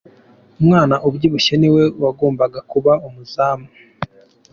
Umwana ubyibushye ni we wagomba kuba umuzamu.